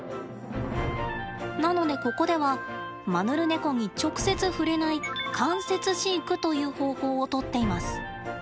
なのでここではマヌルネコに直接触れない間接飼育という方法をとっています。